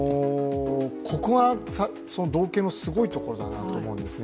ここは道警のすごいところだなと思いますね。